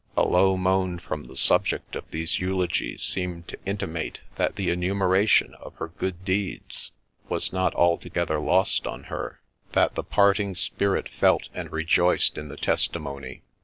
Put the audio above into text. A low moan from the subject of these eulogies seemed to intimate that the enumeration of her good deeds was not altogether lost on her, — that the parting spirit felt and rejoiced in the testimony.